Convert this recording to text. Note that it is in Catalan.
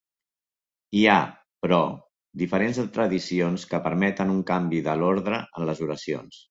Hi ha, però, diferents tradicions que permeten un canvi de l'ordre en les oracions.